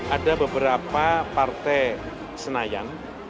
ada beberapa partai senayan